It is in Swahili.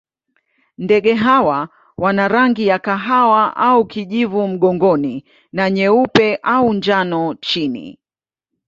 Ndege hawa wana rangi ya kahawa au kijivu mgongoni na nyeupe au njano chini.